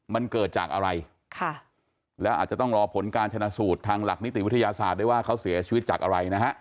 มันเกิดจากอะไรแล้วอาจจะต้องรอผลการชนะสูตรทางหลักนิติวิทยาศาสตร์ด้วยว่าเขาเสียชีวิตจากอะไรนะฮะ